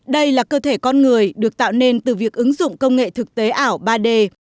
đây là cơ thể con người được tạo nên từ việc ứng dụng công nghệ thực tế ảo ba d